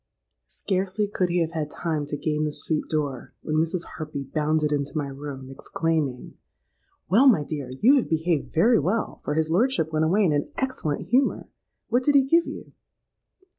"Scarcely could he have had time to gain the street door, when Mrs. Harpy bounded into my room, exclaiming, 'Well, my dear, you have behaved very well, for his lordship went away in an excellent humour. What did he give you?'